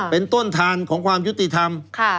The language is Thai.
เป็นต้นทานของความยุติธรรม